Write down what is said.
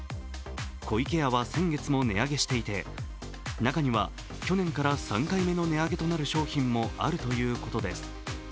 湖池屋は先月も値上げしていて中には去年から３回目の値上げとなる商品もあるということです。